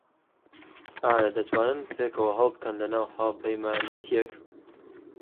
ئایا دەتوانن پێکەوە هەڵبکەن لەناو هاوپەیمانێتییەک؟